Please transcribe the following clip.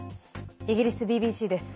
イギリスＢＢＣです。